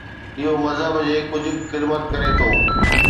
اهو مذهب جي ڪجهه خدمت ڪري ٿو.